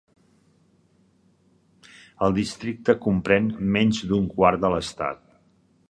El districte comprèn menys d'un quart de l'estat.